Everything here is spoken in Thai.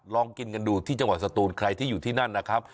ลองกินกันดูที่จังหวัดสตูนใครที่อยู่ที่นั่นนะครับ